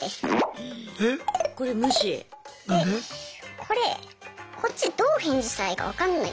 これこっちどう返事したらいいかわかんないんですよね。